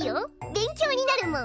勉強になるもん。